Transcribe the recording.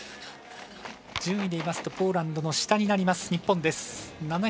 順位で言いますとポーランドの下になります、日本。